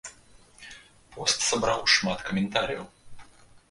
Пост сабраў шмат каментарыяў.